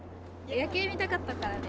夜景見たかったからです。